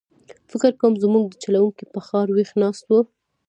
فکر کووم زموږ د چلوونکي په خاطر ویښ ناست و.